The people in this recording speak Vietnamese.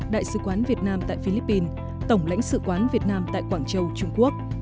đại sứ quán việt nam tại philippines tổng lãnh sự quán việt nam tại quảng châu trung quốc